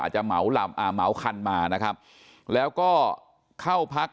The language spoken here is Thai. จะเหมาลำอ่าเหมาคันมานะครับแล้วก็เข้าพัก